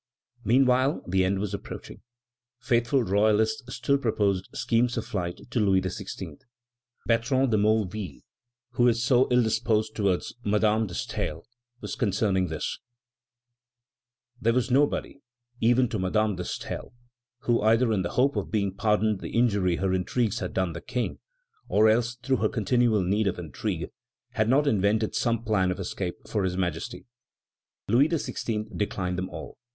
'" Meanwhile the end was approaching. Faithful royalists still proposed schemes of flight to Louis XVI. Bertrand de Molleville, who is so ill disposed toward Madame de Staël, says concerning this: "There was nobody, even to Madame de Staël, who, either in the hope of being pardoned the injury her intrigues had done the King, or else through her continual need of intrigue, had not invented some plan of escape for His Majesty." Louis XVI. declined them all.